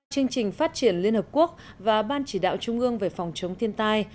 chương trình phát triển liên hợp quốc và ban chỉ đạo trung ương về phòng chống thiên tai